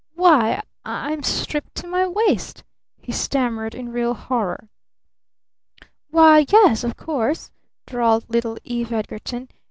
"Why, I'm stripped to my waist!" he stammered in real horror. "Why, yes of course," drawled little Eve Edgarton.